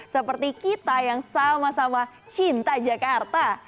seperti kita yang sama sama cinta jakarta